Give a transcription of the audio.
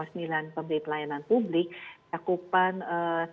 jadi kita bisa mengambil langkah langkah yang lebih cepat